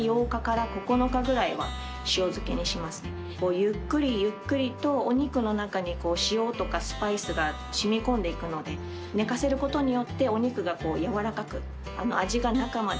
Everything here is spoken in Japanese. ゆっくりゆっくりとお肉の中に塩とかスパイスが染み込んでいくので寝かせることによってお肉がこう軟らかく味が中まで染み込む。